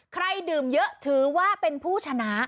ใครดื่มเยอะถือว่าเป็นผู้ชนะ